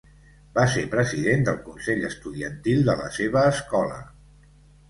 Va ser president del consell estudiantil de la seva escola.